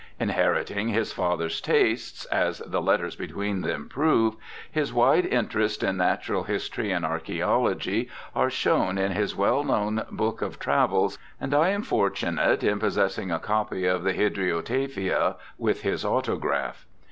Inheriting his father's tastes, as the letters between them prove, his wide interests in natural history and archaeology are shown in his well known book of Travels^ and I am fortunate in possessing a copy of the Hydriotaphia with his autograph.